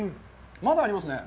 まだありますね。